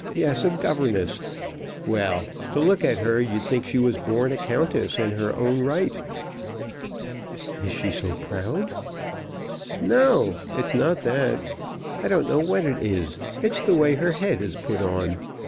yes, a governess. Well, to look at her, you'd think she was born a countess in her own right." "Is she so proud?" "No; it's not that. I don't know what it is. It's the way her head is put on.